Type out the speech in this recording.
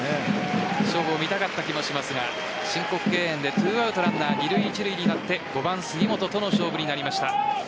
勝負を見たかった気もしますが申告敬遠で２アウトランナー二塁・一塁になって５番・杉本との勝負になりました。